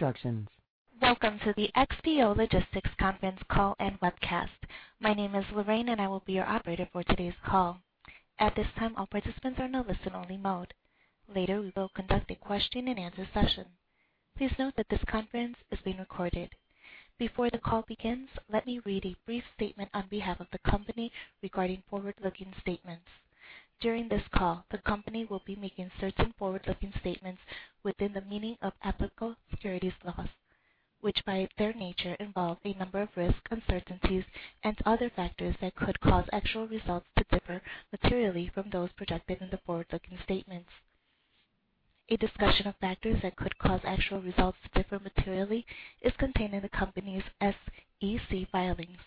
Welcome to the XPO Logistics conference call and webcast. My name is Lorraine, and I will be your operator for today's call. At this time, all participants are in a listen-only mode. Later, we will conduct a question-and-answer session. Please note that this conference is being recorded. Before the call begins, let me read a brief statement on behalf of the company regarding forward-looking statements. During this call, the company will be making certain forward-looking statements within the meaning of applicable securities laws, which, by their nature, involve a number of risks, uncertainties, and other factors that could cause actual results to differ materially from those projected in the forward-looking statements. A discussion of factors that could cause actual results to differ materially is contained in the company's SEC filings.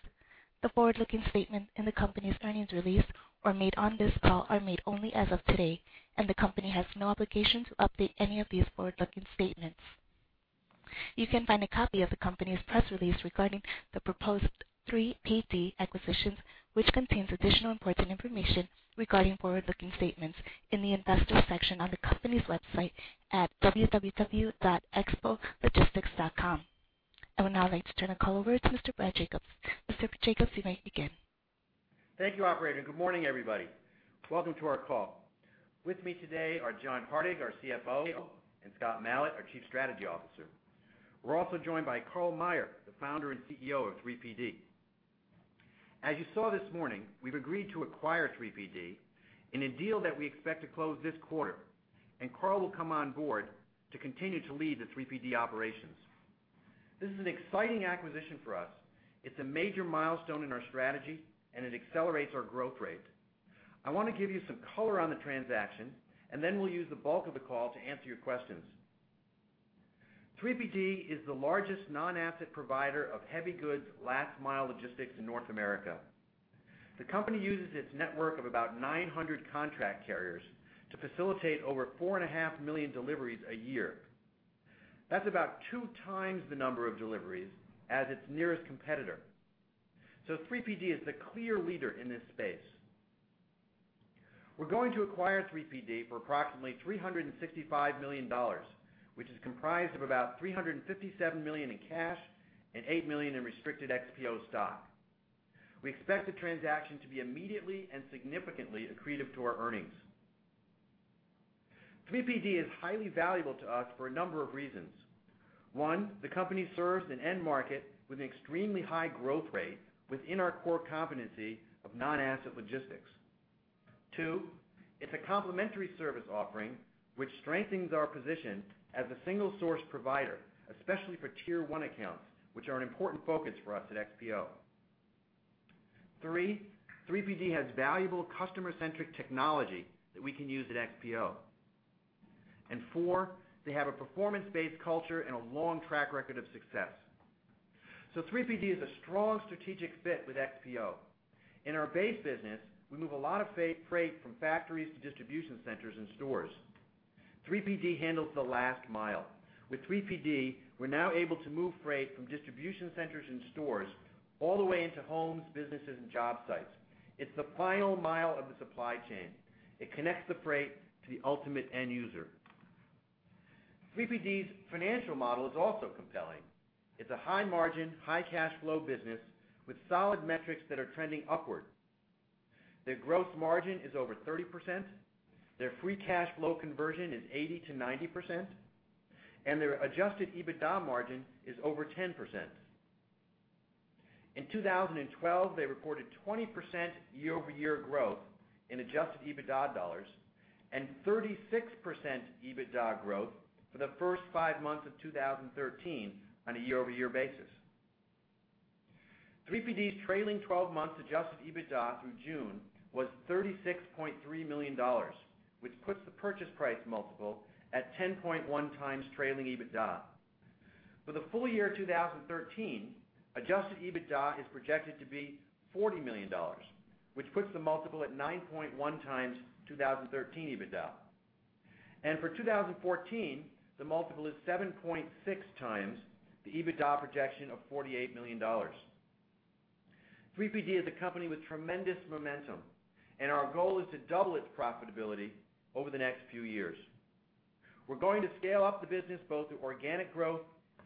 The forward-looking statements in the company's earnings release or made on this call are made only as of today, and the company has no obligation to update any of these forward-looking statements. You can find a copy of the company's press release regarding the proposed 3PD acquisitions, which contains additional important information regarding forward-looking statements in the Investors section on the company's website at www.xpologistics.com. I would now like to turn the call over to Mr. Brad Jacobs. Mr. Jacobs, you may begin. Thank you, operator. Good morning, everybody. Welcome to our call. With me today are John Hardig, our CFO, and Scott Malat, our Chief Strategy Officer. We're also joined by Karl Meyer, the founder and CEO of 3PD. As you saw this morning, we've agreed to acquire 3PD in a deal that we expect to close this quarter, and Karl will come on board to continue to lead the 3PD operations. This is an exciting acquisition for us. It's a major milestone in our strategy, and it accelerates our growth rate. I want to give you some color on the transaction, and then we'll use the bulk of the call to answer your questions. 3PD is the largest non-asset provider of heavy goods last mile logistics in North America. The company uses its network of about 900 contract carriers to facilitate over 4.5 million deliveries a year. That's about 2 times the number of deliveries as its nearest competitor. So 3PD is the clear leader in this space. We're going to acquire 3PD for approximately $365 million, which is comprised of about $357 million in cash and $8 million in restricted XPO stock. We expect the transaction to be immediately and significantly accretive to our earnings. 3PD is highly valuable to us for a number of reasons. One, the company serves an end market with an extremely high growth rate within our core competency of non-asset logistics. Two, it's a complementary service offering, which strengthens our position as a single source provider, especially for tier one accounts, which are an important focus for us at XPO. Three, 3PD has valuable customer-centric technology that we can use at XPO. And four, they have a performance-based culture and a long track record of success. So 3PD is a strong strategic fit with XPO. In our base business, we move a lot of freight from factories to distribution centers and stores. 3PD handles the last mile. With 3PD, we're now able to move freight from distribution centers and stores all the way into homes, businesses, and job sites. It's the final mile of the supply chain. It connects the freight to the ultimate end user. 3PD's financial model is also compelling. It's a high-margin, high-cash flow business with solid metrics that are trending upward. Their gross margin is over 30%, their free cash flow conversion is 80%-90%, and their adjusted EBITDA margin is over 10%. In 2012, they reported 20% year-over-year growth in adjusted EBITDA dollars and 36% EBITDA growth for the first 5 months of 2013 on a year-over-year basis. 3PD's trailing 12 months adjusted EBITDA through June was $36.3 million, which puts the purchase price multiple at 10.1x trailing EBITDA. For the full year of 2013, adjusted EBITDA is projected to be $40 million, which puts the multiple at 9.1x 2013 EBITDA. For 2014, the multiple is 7.6x the EBITDA projection of $48 million. 3PD is a company with tremendous momentum, and our goal is to double its profitability over the next few years. We're going to scale up the business both through organic growth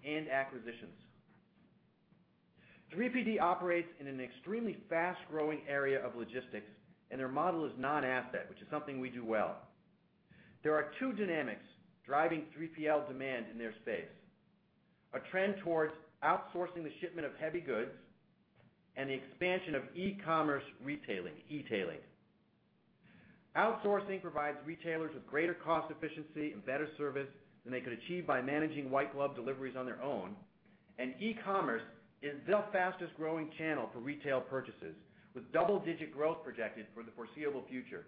and acquisitions. 3PD operates in an extremely fast-growing area of logistics, and their model is non-asset, which is something we do well. There are two dynamics driving 3PL demand in their space: a trend towards outsourcing the shipment of heavy goods and the expansion of e-commerce retailing, e-tailing. Outsourcing provides retailers with greater cost efficiency and better service than they could achieve by managing white glove deliveries on their own. And e-commerce is the fastest-growing channel for retail purchases, with double-digit growth projected for the foreseeable future.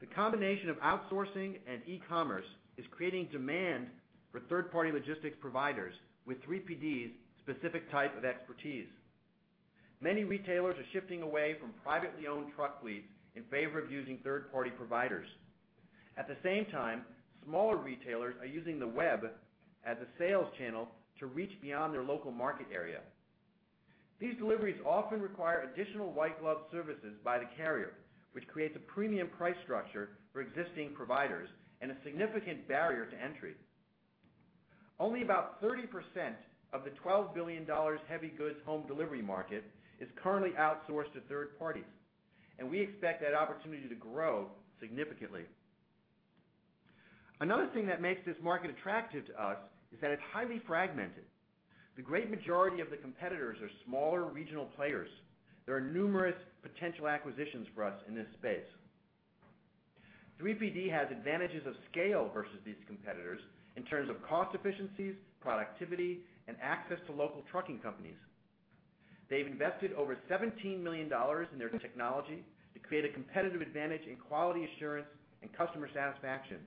The combination of outsourcing and e-commerce is creating demand for third-party logistics providers with 3PD's specific type of expertise. Many retailers are shifting away from privately owned truck fleets in favor of using third-party providers. At the same time, smaller retailers are using the web as a sales channel to reach beyond their local market area... These deliveries often require additional white-glove services by the carrier, which creates a premium price structure for existing providers and a significant barrier to entry. Only about 30% of the $12 billion heavy goods home delivery market is currently outsourced to third parties, and we expect that opportunity to grow significantly. Another thing that makes this market attractive to us is that it's highly fragmented. The great majority of the competitors are smaller, regional players. There are numerous potential acquisitions for us in this space. 3PD has advantages of scale versus these competitors in terms of cost efficiencies, productivity, and access to local trucking companies. They've invested over $17 million in their technology to create a competitive advantage in quality assurance and customer satisfaction,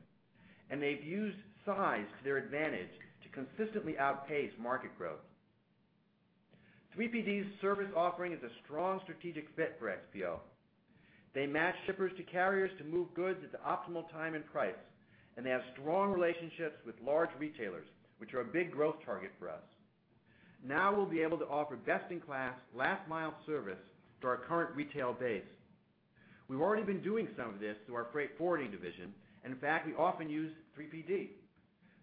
and they've used size to their advantage to consistently outpace market growth. 3PD's service offering is a strong strategic fit for XPO. They match shippers to carriers to move goods at the optimal time and price, and they have strong relationships with large retailers, which are a big growth target for us. Now we'll be able to offer best-in-class, last-mile service to our current retail base. We've already been doing some of this through our freight forwarding division, and in fact, we often use 3PD.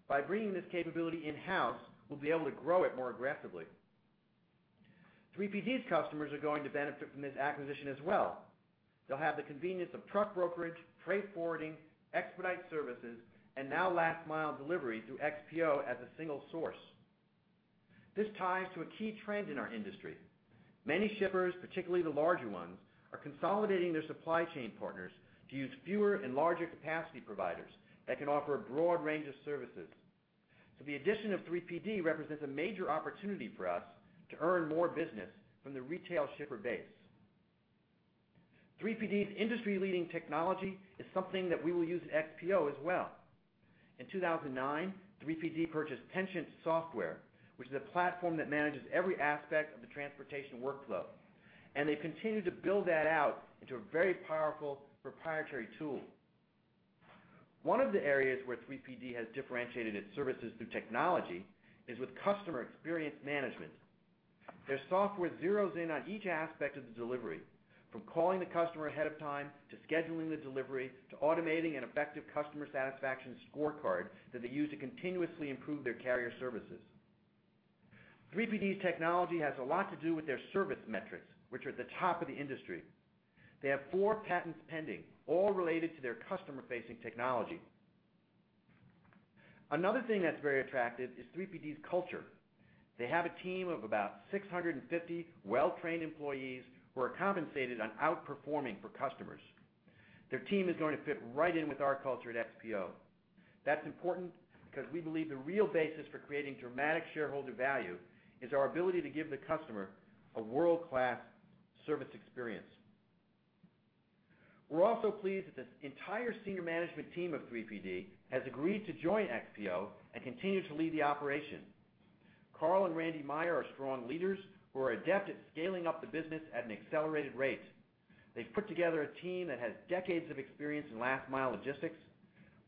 By bringing this capability in-house, we'll be able to grow it more aggressively. 3PD's customers are going to benefit from this acquisition as well. They'll have the convenience of truck brokerage, freight forwarding, expedite services, and now last-mile delivery through XPO as a single source. This ties to a key trend in our industry. Many shippers, particularly the larger ones, are consolidating their supply chain partners to use fewer and larger capacity providers that can offer a broad range of services. So the addition of 3PD represents a major opportunity for us to earn more business from the retail shipper base. 3PD's industry-leading technology is something that we will use at XPO as well. In 2009, 3PD purchased Penchant Software, which is a platform that manages every aspect of the transportation workflow, and they've continued to build that out into a very powerful proprietary tool. One of the areas where 3PD has differentiated its services through technology is with customer experience management. Their software zeros in on each aspect of the delivery, from calling the customer ahead of time, to scheduling the delivery, to automating an effective customer satisfaction scorecard that they use to continuously improve their carrier services. 3PD's technology has a lot to do with their service metrics, which are at the top of the industry. They have 4 patents pending, all related to their customer-facing technology. Another thing that's very attractive is 3PD's culture. They have a team of about 650 well-trained employees who are compensated on outperforming for customers. Their team is going to fit right in with our culture at XPO. That's important because we believe the real basis for creating dramatic shareholder value is our ability to give the customer a world-class service experience. We're also pleased that the entire senior management team of 3PD has agreed to join XPO and continue to lead the operation. Karl and Randy Meyer are strong leaders who are adept at scaling up the business at an accelerated rate. They've put together a team that has decades of experience in last-mile logistics.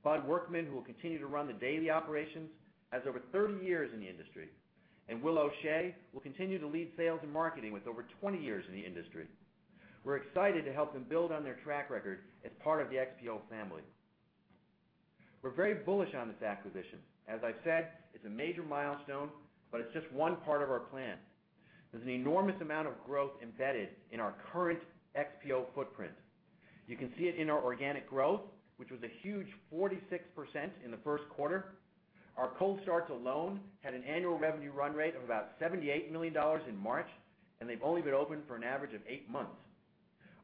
Bud Workman, who will continue to run the daily operations, has over 30 years in the industry, and Will O'Shea will continue to lead sales and marketing with over 20 years in the industry. We're excited to help them build on their track record as part of the XPO family. We're very bullish on this acquisition. As I've said, it's a major milestone, but it's just one part of our plan. There's an enormous amount of growth embedded in our current XPO footprint. You can see it in our organic growth, which was a huge 46% in the first quarter. Our cold starts alone had an annual revenue run rate of about $78 million in March, and they've only been open for an average of 8 months.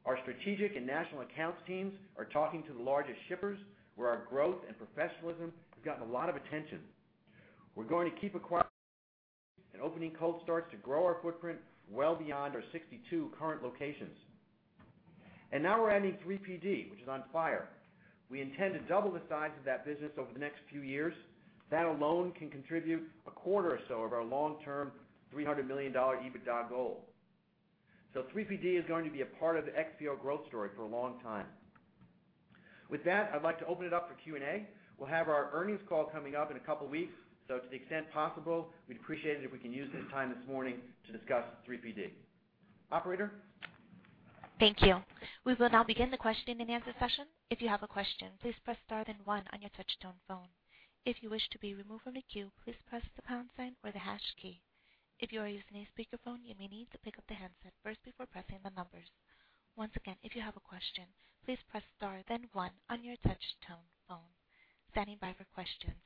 Our strategic and national accounts teams are talking to the largest shippers, where our growth and professionalism has gotten a lot of attention. We're going to keep acquiring and opening cold starts to grow our footprint well beyond our 62 current locations. And now we're adding 3PD, which is on fire. We intend to double the size of that business over the next few years. That alone can contribute a quarter or so of our long-term $300 million EBITDA goal. So 3PD is going to be a part of the XPO growth story for a long time. With that, I'd like to open it up for Q&A. We'll have our earnings call coming up in a couple weeks, so to the extent possible, we'd appreciate it if we can use the time this morning to discuss 3PD. Operator? Thank you. We will now begin the question-and-answer session. If you have a question, please press star then one on your touchtone phone. If you wish to be removed from the queue, please press the pound sign or the hash key. If you are using a speakerphone, you may need to pick up the handset first before pressing the numbers. Once again, if you have a question, please press star, then one on your touchtone phone. Standing by for questions.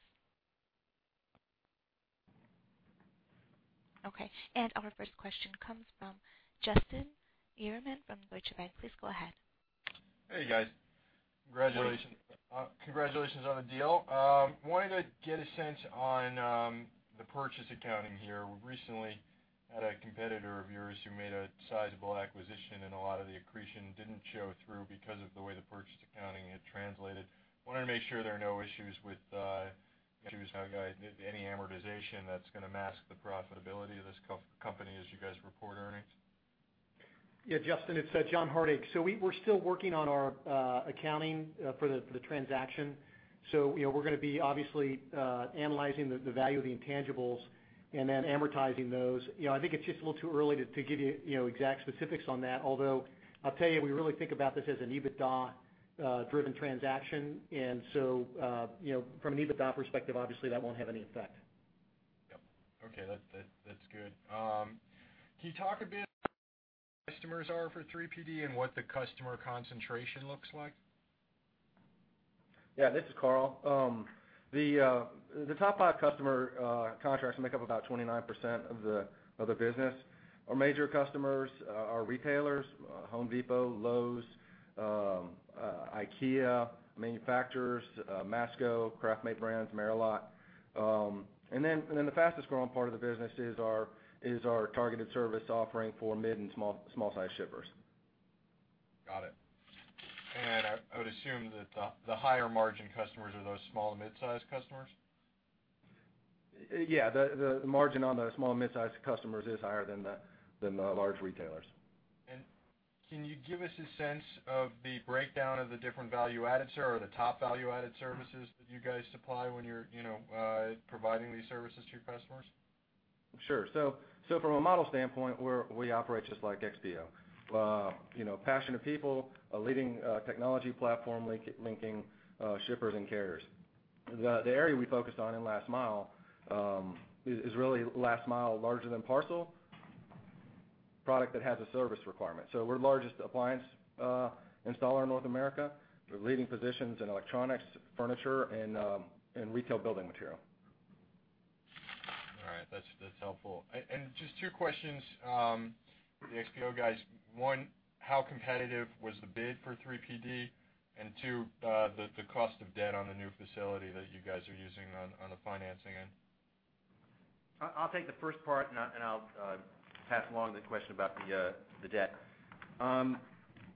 Okay, and our first question comes from Justin Yagerman from Deutsche Bank. Please go ahead. Hey, guys. Congratulations. Congratulations on the deal. Wanted to get a sense on the purchase accounting here. Recently had a competitor of yours who made a sizable acquisition, and a lot of the accretion didn't show through because of the way the purchase accounting had translated. Wanted to make sure there are no issues with any amortization that's going to mask the profitability of this company as you guys report earnings?... Yeah, Justin, it's John Hardig. So we're still working on our accounting for the transaction. So, you know, we're gonna be obviously analyzing the value of the intangibles and then amortizing those. You know, I think it's just a little too early to give you exact specifics on that. Although, I'll tell you, we really think about this as an EBITDA driven transaction. And so, you know, from an EBITDA perspective, obviously, that won't have any effect. Yep. Okay, that, that, that's good. Can you talk a bit about customers are for 3PD and what the customer concentration looks like? Yeah, this is Karl. The top five customer contracts make up about 29% of the business. Our major customers are retailers, Home Depot, Lowe's, IKEA, manufacturers, Masco, KraftMaid Brands, Merillat. And then the fastest growing part of the business is our targeted service offering for mid and small-sized shippers. Got it. And I would assume that the higher margin customers are those small and mid-sized customers? Yeah, the margin on the small and mid-sized customers is higher than the large retailers. Can you give us a sense of the breakdown of the different value-added service, or the top value-added services that you guys supply when you're, you know, providing these services to your customers? Sure. So from a model standpoint, we operate just like XPO. You know, passionate people, a leading technology platform linking shippers and carriers. The area we focused on in last mile is really last mile larger than parcel, product that has a service requirement. So we're largest appliance installer in North America, with leading positions in electronics, furniture, and retail building material. All right. That's, that's helpful. And just two questions for the XPO guys. One, how competitive was the bid for 3PD? And two, the cost of debt on the new facility that you guys are using on the financing end. I'll take the first part, and I'll pass along the question about the debt.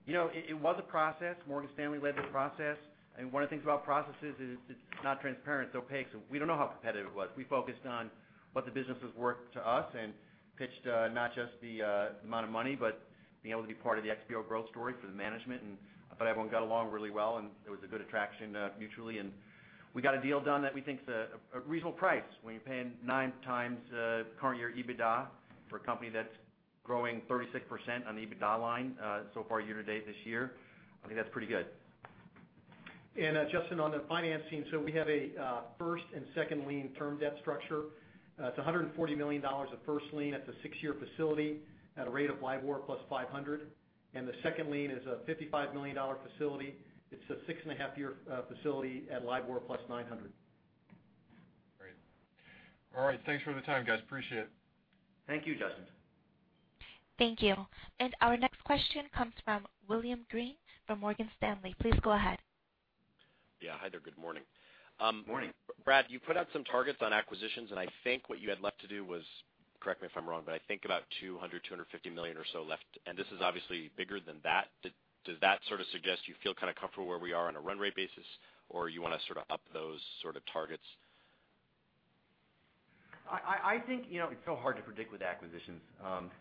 You know, it was a process. Morgan Stanley led the process, and one of the things about processes is it's not transparent, it's opaque, so we don't know how competitive it was. We focused on what the business was worth to us and pitched not just the amount of money, but being able to be part of the XPO growth story for the management. And I thought everyone got along really well, and it was a good attraction mutually, and we got a deal done that we think is a reasonable price. When you're paying 9x current year EBITDA for a company that's growing 36% on the EBITDA line, so far year to date this year, I think that's pretty good. Justin, on the financing, so we have a first and second lien term debt structure. It's $140 million of first lien. It's a 6-year facility at a rate of LIBOR plus 500, and the second lien is a $55 million facility. It's a 6.5-year facility at LIBOR plus 900. Great. All right, thanks for the time, guys. Appreciate it. Thank you, Justin. Thank you. Our next question comes from William Greene from Morgan Stanley. Please go ahead. Yeah. Hi there, good morning. Good morning. Brad, you put out some targets on acquisitions, and I think what you had left to do was, correct me if I'm wrong, but I think about $200 million-$250 million or so left, and this is obviously bigger than that. Does that sort of suggest you feel kind of comfortable where we are on a run rate basis, or you want to sort of up those sort of targets? I think, you know, it's so hard to predict with acquisitions.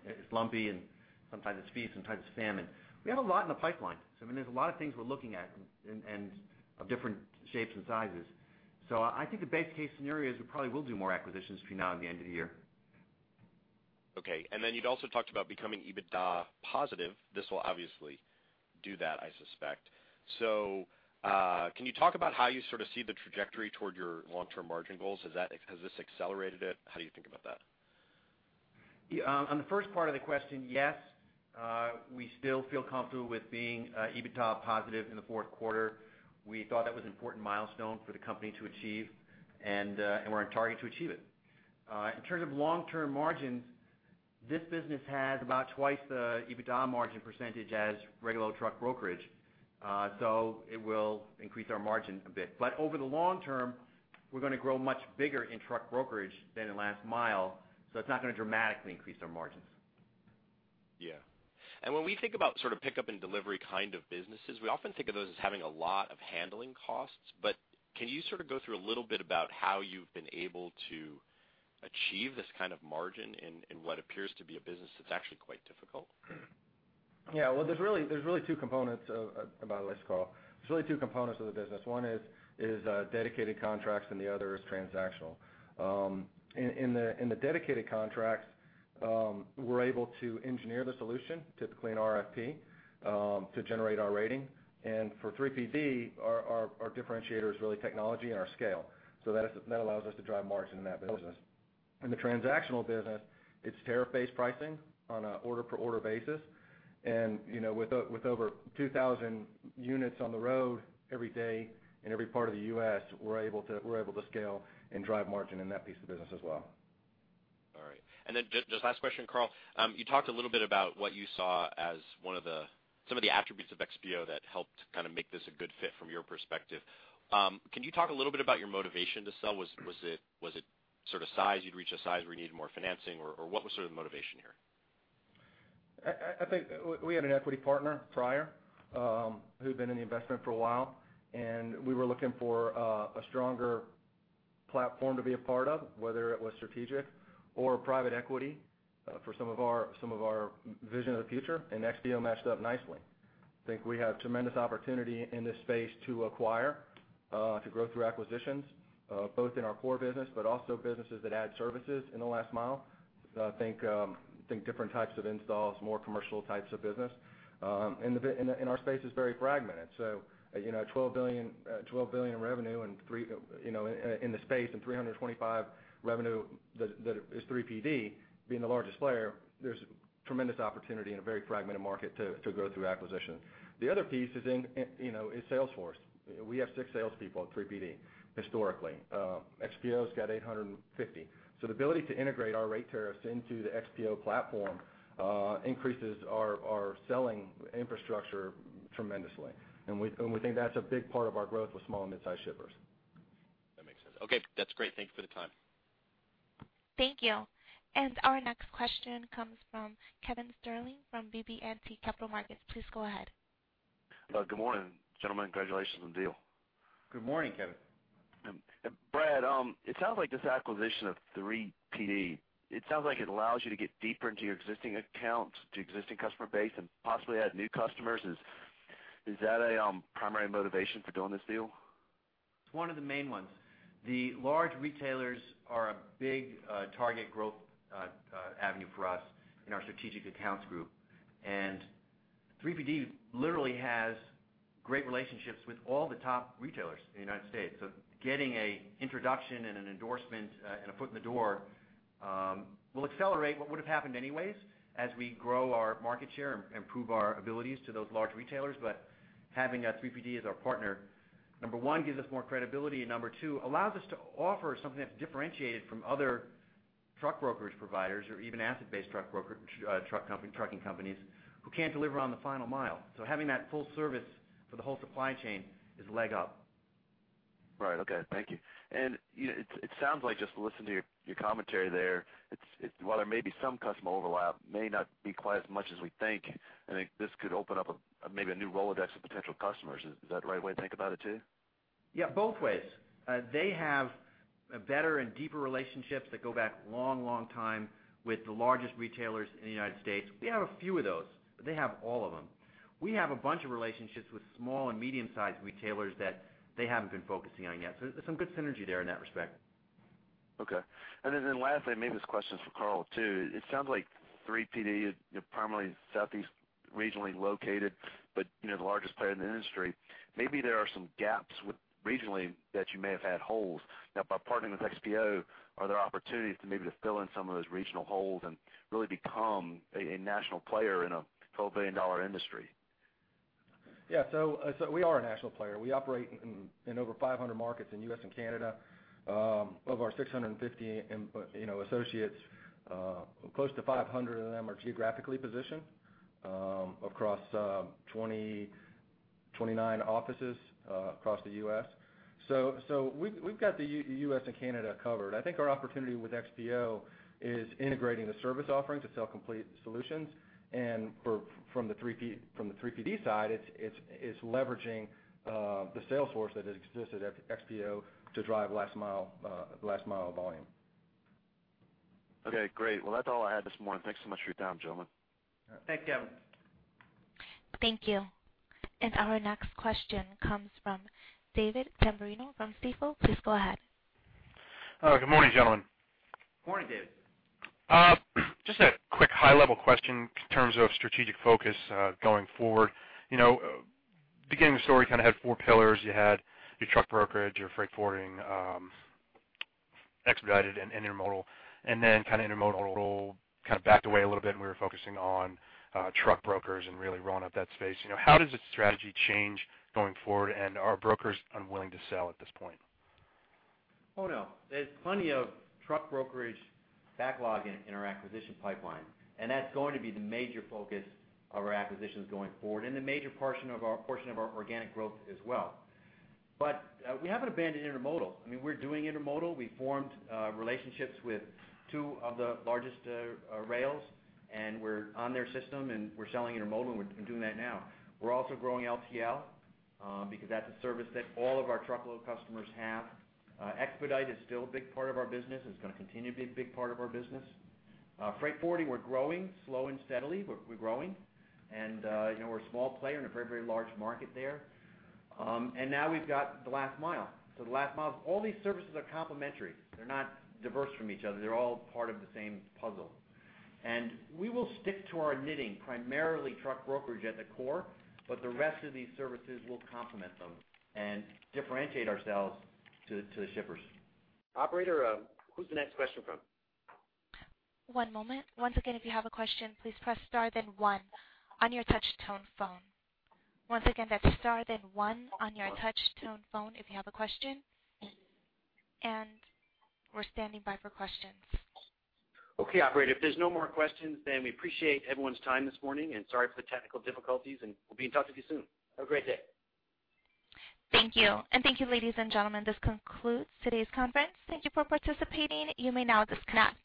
It's lumpy, and sometimes it's feast, sometimes it's famine. We have a lot in the pipeline, so I mean, there's a lot of things we're looking at and of different shapes and sizes. So I think the base case scenario is we probably will do more acquisitions between now and the end of the year. Okay. And then you'd also talked about becoming EBITDA positive. This will obviously do that, I suspect. So, can you talk about how you sort of see the trajectory toward your long-term margin goals? Has this accelerated it? How do you think about that? Yeah. On the first part of the question, yes, we still feel comfortable with being EBITDA positive in the fourth quarter. We thought that was an important milestone for the company to achieve, and, and we're on target to achieve it. In terms of long-term margins, this business has about twice the EBITDA margin percentage as regular truck brokerage. So it will increase our margin a bit. But over the long term, we're going to grow much bigger in truck brokerage than in last mile, so it's not going to dramatically increase our margins. Yeah. When we think about sort of pickup and delivery kind of businesses, we often think of those as having a lot of handling costs. But can you sort of go through a little bit about how you've been able to achieve this kind of margin in what appears to be a business that's actually quite difficult? Yeah. Well, there's really two components about this, Karl. There's really two components of the business. One is dedicated contracts, and the other is transactional. In the dedicated contracts, we're able to engineer the solution, typically an RFP, to generate our rating. And for 3PD, our differentiator is really technology and our scale. So that allows us to drive margin in that business. In the transactional business, it's tariff-based pricing on an order-per-order basis. And, you know, with over 2,000 units on the road every day, in every part of the U.S., we're able to scale and drive margin in that piece of business as well. All right. Then just last question, Karl. You talked a little bit about what you saw as one of the, some of the attributes of XPO that helped kind of make this a good fit from your perspective. Can you talk a little bit about your motivation to sell? Was it sort of size, you'd reached a size where you needed more financing, or what was sort of the motivation here? I think we had an equity partner prior, who'd been in the investment for a while, and we were looking for a stronger... platform to be a part of, whether it was strategic or private equity, for some of our, some of our vision of the future, and XPO matched up nicely. I think we have tremendous opportunity in this space to acquire, to grow through acquisitions, both in our core business, but also businesses that add services in the last mile. I think, I think different types of installs, more commercial types of business. And our space is very fragmented. So, you know, $12 billion in revenue and three, you know, in the space, and $325 million revenue that, that is 3PD being the largest player, there's tremendous opportunity in a very fragmented market to, to grow through acquisition. The other piece is in, you know, is sales force. We have 6 salespeople at 3PD, historically. XPO's got 850. So the ability to integrate our rate tariffs into the XPO platform increases our, our selling infrastructure tremendously, and we, and we think that's a big part of our growth with small and mid-sized shippers. That makes sense. Okay, that's great. Thank you for the time. Thank you. And our next question comes from Kevin Sterling from BB&T Capital Markets. Please go ahead. Good morning, gentlemen. Congratulations on the deal. Good morning, Kevin. Brad, it sounds like this acquisition of 3PD, it sounds like it allows you to get deeper into your existing accounts, to existing customer base, and possibly add new customers. Is, is that a, primary motivation for doing this deal? It's one of the main ones. The large retailers are a big target growth avenue for us in our strategic accounts group. And 3PD literally has great relationships with all the top retailers in the United States. So getting a introduction and an endorsement and a foot in the door will accelerate what would have happened anyways as we grow our market share and improve our abilities to those large retailers. But having 3PD as our partner, number one, gives us more credibility, and number two, allows us to offer something that's differentiated from other truck brokers, providers, or even asset-based truck broker truck company, trucking companies who can't deliver on the final mile. So having that full service for the whole supply chain is a leg up. Right. Okay. Thank you. And, you know, it sounds like, just to listen to your commentary there, it's while there may be some customer overlap, may not be quite as much as we think, and it—this could open up a, maybe a new Rolodex of potential customers. Is that the right way to think about it, too? Yeah, both ways. They have a better and deeper relationships that go back long, long time with the largest retailers in the United States. We have a few of those, but they have all of them. We have a bunch of relationships with small and medium-sized retailers that they haven't been focusing on yet, so there's some good synergy there in that respect. Okay. And then, then lastly, maybe this question is for Karl, too. It sounds like 3PD is primarily Southeast, regionally located, but, you know, the largest player in the industry. Maybe there are some gaps with regionally that you may have had holes. Now, by partnering with XPO, are there opportunities to maybe to fill in some of those regional holes and really become a, a national player in a $12 billion industry? Yeah, so we are a national player. We operate in over 500 markets in U.S. and Canada. Of our 650, you know, associates, close to 500 of them are geographically positioned across 29 offices across the U.S. So we've got the U.S. and Canada covered. I think our opportunity with XPO is integrating the service offerings to sell complete solutions. And from the 3PD side, it's leveraging the sales force that has existed at XPO to drive last mile volume. Okay, great. Well, that's all I had this morning. Thanks so much for your time, gentlemen. Thanks, Kevin. Thank you. Our next question comes from David Tamberrino from Stifel. Please go ahead. Good morning, gentlemen. Morning, David. Just a quick high-level question in terms of strategic focus, going forward. You know, beginning of the story, you kind of had four pillars. You had your truck brokerage, your freight forwarding, expedited and intermodal, and then kind of intermodal kind of backed away a little bit, and we were focusing on, truck brokers and really rolling up that space. You know, how does the strategy change going forward, and are brokers unwilling to sell at this point? Oh, no. There's plenty of truck brokerage backlog in our acquisition pipeline, and that's going to be the major focus of our acquisitions going forward and the major portion of our organic growth as well. But we haven't abandoned intermodal. I mean, we're doing intermodal. We formed relationships with two of the largest rails, and we're on their system, and we're selling intermodal, and we're doing that now. We're also growing LTL, because that's a service that all of our truckload customers have. Expedite is still a big part of our business, and it's going to continue to be a big part of our business. Freight forwarding, we're growing, slow and steadily, but we're growing. And you know, we're a small player in a very, very large market there. And now we've got the last mile. So the last mile... All these services are complementary. They're not diverse from each other. They're all part of the same puzzle. And we will stick to our knitting, primarily truck brokerage at the core, but the rest of these services will complement them and differentiate ourselves to, to the shippers. Operator, who's the next question from? One moment. Once again, if you have a question, please press star then one on your touch tone phone. Once again, that's star then one on your touch tone phone if you have a question. We're standing by for questions. Okay, operator, if there's no more questions, then we appreciate everyone's time this morning, and sorry for the technical difficulties, and we'll be in touch with you soon. Have a great day. Thank you. Thank you, ladies and gentlemen. This concludes today's conference. Thank you for participating. You may now disconnect.